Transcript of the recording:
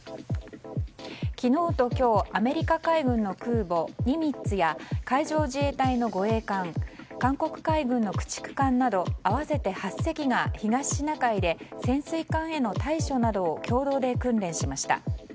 昨日と今日、アメリカ海軍の空母「ニミッツ」や海上自衛隊の護衛艦韓国海軍の駆逐艦など合わせて８隻が東シナ海で潜水艦への対処などを共同で訓練しました。